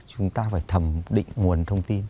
chúng ta phải thẩm định nguồn thông tin